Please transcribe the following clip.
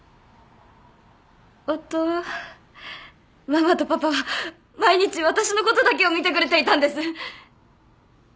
ママとパパは毎日私のことだけを見てくれていたんです。